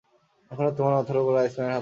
এখন আর তোমার মাথার ওপর আইসম্যানের হাত নেই।